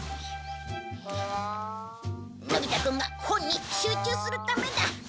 のび太くんが本に集中するためだ。